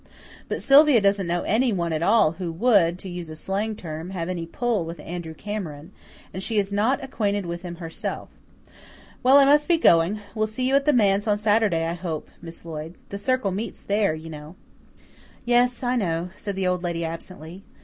But Sylvia doesn't know anyone at all who would, to use a slang term, have any 'pull' with Andrew Cameron, and she is not acquainted with him herself. Well, I must be going; we'll see you at the Manse on Saturday, I hope, Miss Lloyd. The Circle meets there, you know." "Yes, I know," said the Old Lady absently.